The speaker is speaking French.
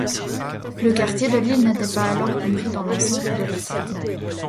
Le quartier de l'Île n'était pas alors compris dans l'enceinte de la Cité.